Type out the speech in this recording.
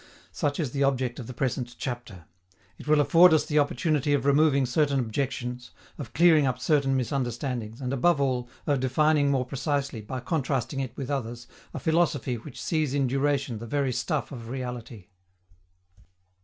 Such is the object of the present chapter. It will afford us the opportunity of removing certain objections, of clearing up certain misunderstandings, and, above all, of defining more precisely, by contrasting it with others, a philosophy which sees in duration the very stuff of reality.